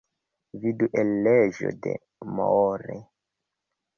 Vidu en leĝo de Moore.